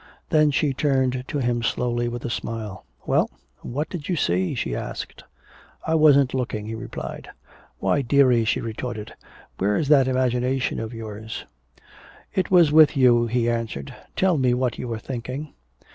Then she turned to him slowly with a smile. "Well? What did you see?" she asked. "I wasn't looking," he replied. "Why, dearie," she retorted. "Where's that imagination of yours?" "It was with you," he answered. "Tell me what you were thinking."